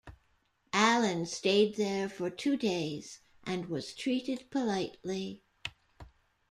Allen stayed there for two days and was treated politely.